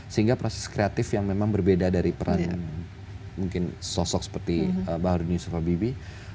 sehingga proses kreatif yang memang berbeda dari peran mungkin sosok seperti baharudin yusuf habibie